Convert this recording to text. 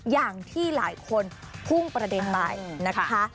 อย่างที่หลายคนพุ่งประเด็นไปนะคะ